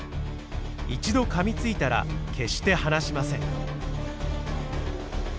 一度かみついたら決して放しません。